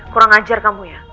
kurang ajar kamu ya